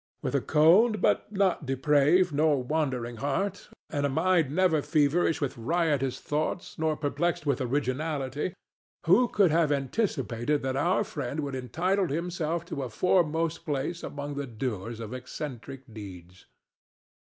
With a cold but not depraved nor wandering heart, and a mind never feverish with riotous thoughts nor perplexed with originality, who could have anticipated that our friend would entitle himself to a foremost place among the doers of eccentric deeds?